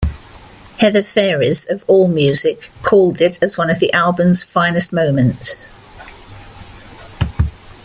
Heather Phares of Allmusic called it as one of the album's finest moments.